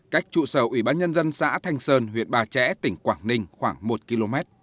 cách trụ sở ủy ban nhân dân xã thanh sơn huyện ba trẻ tỉnh quảng ninh khoảng một km